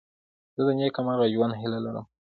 زه د نېکمرغه ژوند هیله لرم.